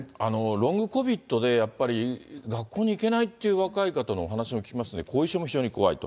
ロングコビッドでやっぱり学校に行けないという若い方のお話も聞きますが、後遺症も非常に怖いと。